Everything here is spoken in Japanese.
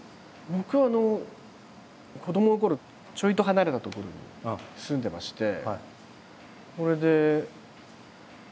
僕は子どものころちょいと離れた所に住んでまして。